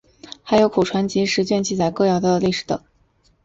还有口传集十卷记载歌谣的历史等。